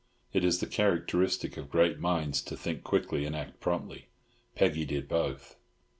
It is the characteristic of great minds to think quickly, and act promptly. Peggy did both.